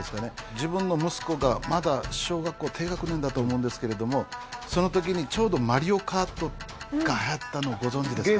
自分の息子がまだ小学校低学年だと思うんですけれどもその時にちょうど『マリオカート』が流行ったのをご存じですかね？